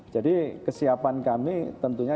jadi kesiapan kami tentunya